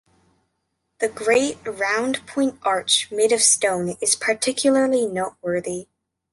The great round-point arch, made of stone, is particularly noteworthy.